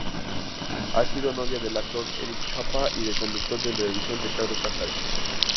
Ha sido novia del actor Erick Chapa y del conductor de televisión Ricardo Casares.